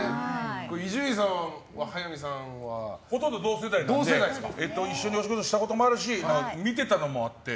伊集院さんは、早見さんは？ほとんど同世代なんで一緒にお仕事したこともあるし見てたのもあって。